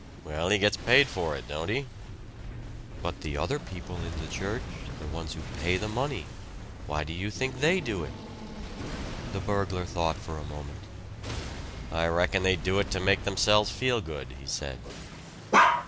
"Well, he gets paid for it, don't he?" "But the other people in the church the ones who pay the money. Why do you think they do it?" The burglar thought for a moment. "I reckon they do it to make themselves feel good," he said.